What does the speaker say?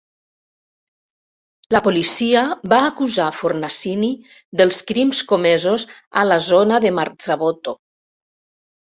La policia va acusar Fornasini dels crims comesos a la zona de Marzabotto.